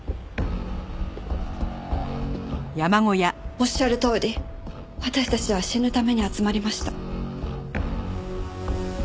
おっしゃるとおり私たちは死ぬために集まりました。